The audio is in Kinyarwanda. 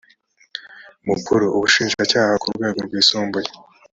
mukuru ubushinjacyaha ku rwego rwisumbuye